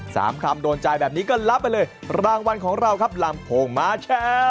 สามคำโดนใจแบบนี้ก็รับไปเลยรางวัลของเราครับลำโพงมาแชร์